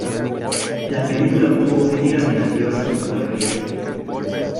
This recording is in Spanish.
La película obtuvo críticas negativas en su mayoría.